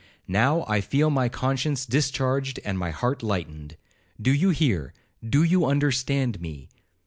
Now, I feel my conscience discharged and my heart lightened. Do you hear, do you understand me?